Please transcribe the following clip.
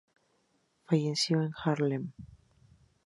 Falleció en Haarlem.